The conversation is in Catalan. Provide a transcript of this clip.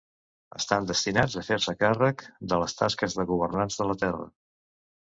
Estan destinats a fer-se càrrec de les tasques de governants de la Terra.